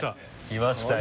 きましたよ。